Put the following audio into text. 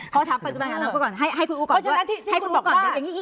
และอนาคมก่อนหาคุณอู๋ก่อน